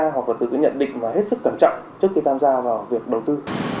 hoặc là từ cái nhận định và hết sức cẩn trọng trước khi tham gia vào việc đầu tư